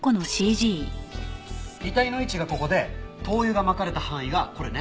遺体の位置がここで灯油がまかれた範囲がこれね。